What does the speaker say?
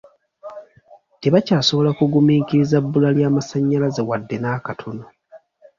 Tebakyasobola kugumiikiriza bbula lya masannyalaze wadde n'akatono.